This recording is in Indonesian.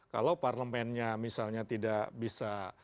kalau parlemennya misalnya tidak bisa